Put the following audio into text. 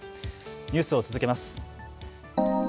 ニュースを続けます。